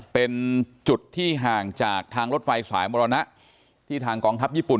เป็นจุดที่ห่างจากทางรถไฟสายมรณะที่ทางกองทัพญี่ปุ่น